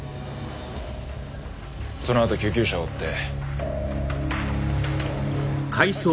そのあと救急車を追って。